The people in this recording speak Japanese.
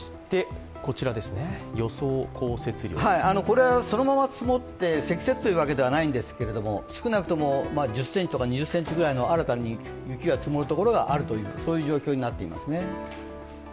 これはそのまま積もって積雪というわけではないんですか少なくとも１０ｃｍとか２０ｃｍぐらい新たに雪が積もる所があるという予報になっています。